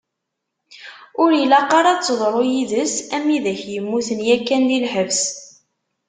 Ur ilaq ara ad teḍru yid-s am widak yemmuten yakan di lḥebs.